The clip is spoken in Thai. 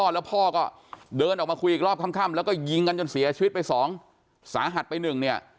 แล้วพ่อก็เดินออกมาคุยอีกรอบค่ำแล้วก็ยิงกันจนเสียชีวิตไปสองสาหัสไปหนึ่งเนี่ย